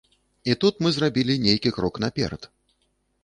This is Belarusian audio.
І тут мы зрабілі нейкі крок наперад.